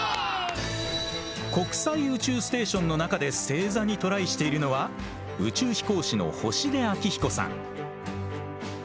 国際宇宙ステーションの中で正座にトライしているのは宇宙飛行士の星出彰彦さん。